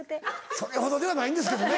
それほどではないんですけどね。